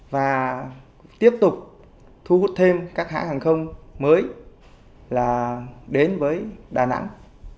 và tiếp tục thu hút thêm các hãng hàng không mới là đến với đà nẵng